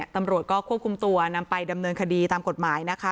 ตำรวจก็ควบคุมตัวนำไปดำเนินคดีตามกฎหมายนะคะ